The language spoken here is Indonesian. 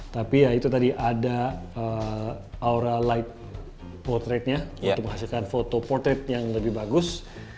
tapi ya itu tadi ada aura light potretnya untuk menghasilkan foto portai yang lebih bagus